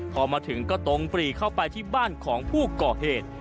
พอมาถึงก็ตรงปรีเข้าไปที่บ้านของผู้ก่อเหตุ